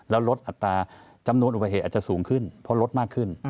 แล้วลดอัตราจำนวนอุบัติเหตุอาจจะสูงขึ้นเพราะลดมากขึ้น